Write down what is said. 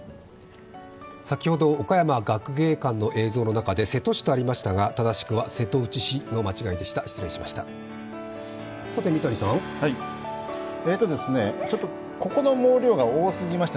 先ほど岡山学芸館の中で瀬戸市とありましたが、正しくは瀬戸内市の間違いでした、失礼しました。